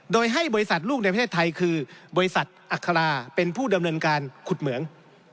โดยให้บริษัทลูกในประเทศไทยคือบริษัทอัคราเป็นผู้ดำเนินการขุดเหมือง